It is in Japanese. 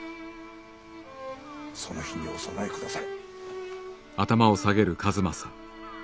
その日にお備えくだされ。